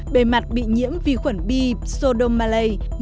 bề mặt bị nhiễm vi khuẩn b sodomalase